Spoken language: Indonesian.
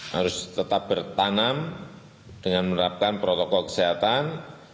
harus tetap bertanam dengan menerapkan protokol kesehatan